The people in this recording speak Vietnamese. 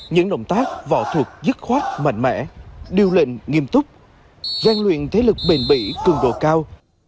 những động tác võ thuật dứt khoát mạnh mẽ điều lệnh nghiêm túc gian luyện thế lực bền bỉ cường độ cao